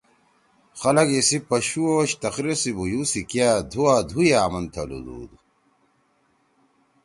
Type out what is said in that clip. خلگ ایِسی پشُو او تقریر سی بُھویُو سی کیا دُھوا دُھو ئے آمن تھلُودُود